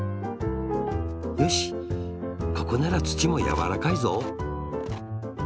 よしここならつちもやわらかいぞ。